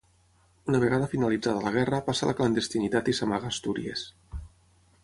Una vegada finalitzada la guerra passa a la clandestinitat i s'amaga a Astúries.